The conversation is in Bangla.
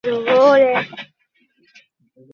ওগুলো তুই টি-শার্ট হিসেবে পরে বেড়াচ্ছিস।